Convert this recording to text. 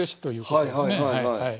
はい。